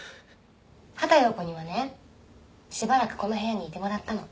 畑葉子にはねしばらくこの部屋にいてもらったの。